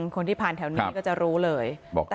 คนที่ผ่านแถวนี้ก็จะรู้เลย